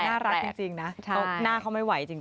น่ารักจริงนะหน้าเขาไม่ไหวจริง